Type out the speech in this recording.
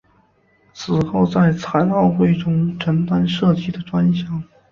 此后在残奥会中承担射击的专项。